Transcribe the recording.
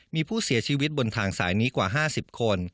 มีผู้เสียชีวิตบนทางสายนี้กว่า๕๐คน